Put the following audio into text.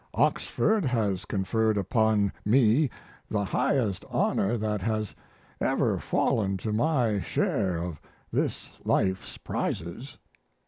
Oxford has conferred upon me the highest honor that has ever fallen to my share of this life's prizes.